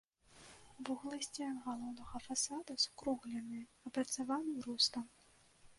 Вуглы сцен галоўнага фасада скругленыя, апрацаваны рустам.